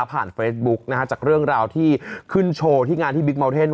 เฟซบุ๊กนะฮะจากเรื่องราวที่ขึ้นโชว์ที่งานที่บิ๊กเมาเทน